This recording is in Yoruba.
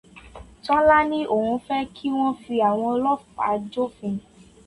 Tọ́lá ní òun fẹ́ kí wọ́n fi àwọn ọlọ́pàá jófin.